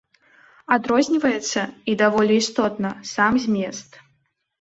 Адрозніваецца, і даволі істотна, сам змест.